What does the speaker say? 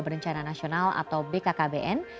berencana nasional atau bkkbn